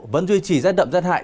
vẫn duy trì rét đậm rét hại